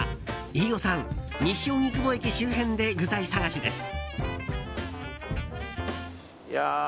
飯尾さん、西荻窪駅周辺で具材探しです。